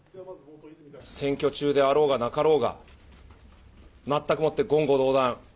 選挙中であろうがなかろうが、全くもって言語道断。